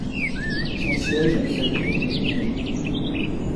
Son siège est la ville de Minden.